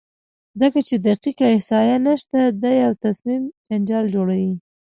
ځکه چې دقیقه احصایه نشته دی او تصمیم جنجال جوړوي،